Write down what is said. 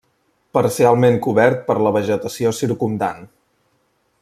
Parcialment cobert per la vegetació circumdant.